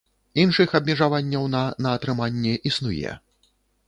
Іншых абмежаванняў на на атрыманне існуе.